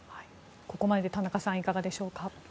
ここまでで田中さんいかがでしょうか？